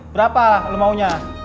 berapa lo maunya